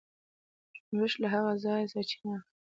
نوښت له هغه ځایه سرچینه اخلي.